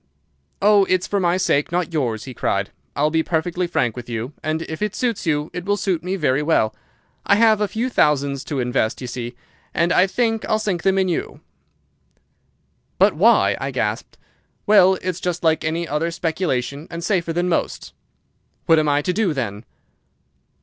"'Oh, it's for my sake, not for yours,' he cried. 'I'll be perfectly frank with you, and if it suits you it will suit me very well. I have a few thousands to invest, d'ye see, and I think I'll sink them in you.' "'But why?' I gasped. "'Well, it's just like any other speculation, and safer than most.' "'What am I to do, then?